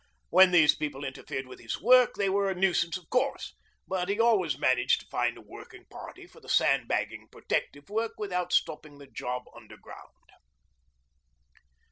When these people interfered with his work they were a nuisance of course, but he always managed to find a working party for the sandbagging protective work without stopping the job underground.